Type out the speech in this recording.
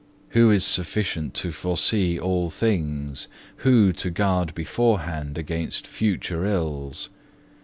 Who is sufficient to foresee all things, who to guard beforehand against future ills?